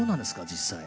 実際。